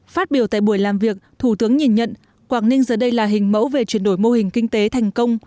phát biểu tại buổi làm việc thủ tướng nhìn nhận quảng ninh giờ đây là hình mẫu về chuyển đổi mô hình kinh tế thành công